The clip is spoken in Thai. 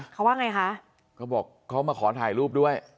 เขาว่าไงคะเขาบอกเขามาขอถ่ายรูปด้วย